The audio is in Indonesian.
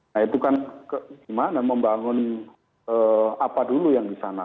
nah itu kan gimana membangun apa dulu yang di sana